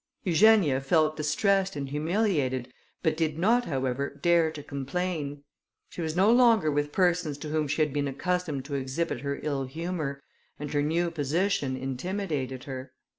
Eugenia felt distressed and humiliated, but did not, however, dare to complain. She was no longer with persons to whom she had been accustomed to exhibit her ill humour, and her new position intimidated her.